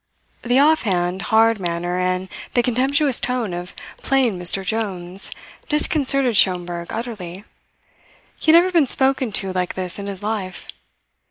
The offhand, hard manner and the contemptuous tone of "plain Mr. Jones" disconcerted Schomberg utterly. He had never been spoken to like this in his life.